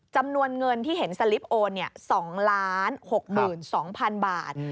จำนวนเงินที่เห็นสลิปโอน๒๖๒๐๐๐บาท